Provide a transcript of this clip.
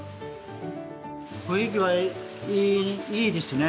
雰囲気はいいですね